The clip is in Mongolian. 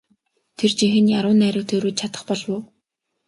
Тэр жинхэнэ яруу найраг туурвиж чадах болов уу?